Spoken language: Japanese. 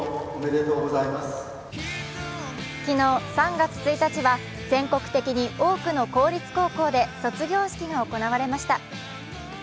昨日、３月１日は全国的に多くの公立高校で卒業式が行われました。